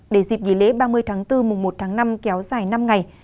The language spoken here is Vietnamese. để dịp nghỉ lễ ba mươi tháng bốn mùng một tháng năm kéo dài năm ngày